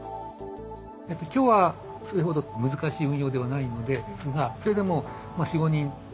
今日はそれほど難しい運用ではないのですがそれでも４５人で運用していて。